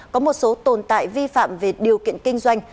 có một số tồn tại vi phạm về điều kiện kinh doanh